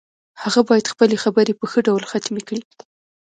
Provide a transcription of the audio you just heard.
هغه باید خپلې خبرې په ښه ډول ختمې کړي